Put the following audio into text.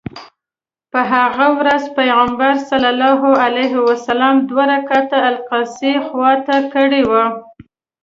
په هغه ورځ پیغمبر صلی الله علیه وسلم دوه رکعته الاقصی خواته کړی و.